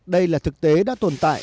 đây là thực tế đã tồn tại